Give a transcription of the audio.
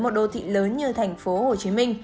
một đô thị lớn như tp hcm